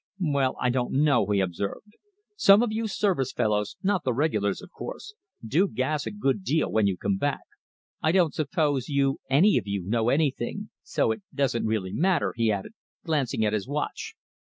"Well, I don't know," he observed. "Some of you Service fellows not the Regulars, of course do gas a good deal when you come back. I don't suppose you any of you know anything, so it doesn't really matter," he added, glancing at his watch.